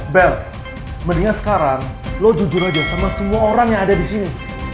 bel mendingan sekarang lo jujur aja sama semua orang yang ada disini